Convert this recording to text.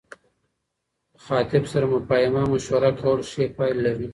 د خاطب سره مفاهمه او مشوره کول ښې پايلي لري